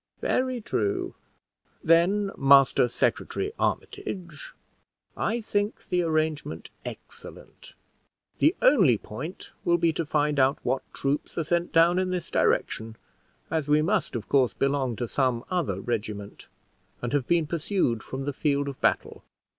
"Very true; then, Master Secretary Armitage, I think the arrangement excellent: the only point will be to find out what troops are sent down in this direction, as we must of course belong to some other regiment, and have been pursued from the field of battle.